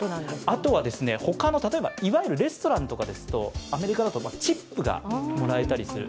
あとは他の、いわゆるレストランとかですとアメリカだとチップがもらえたりする。